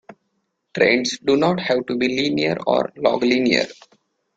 Trends do not have to be linear or log-linear.